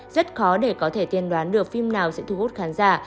rất khó để có thể tiên đoán được phim nào sẽ thu hút khán giả